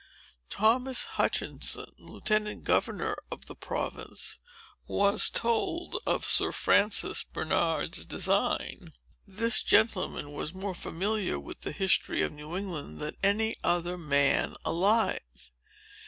Thomas Hutchinson, lieutenant governor of the province, was told of Sir Francis Bernard's design. This gentleman was more familiar with the history of New England than any other man alive.